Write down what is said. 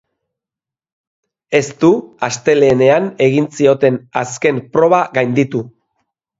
Ez du astelehenean egin zioten azken proba gainditu.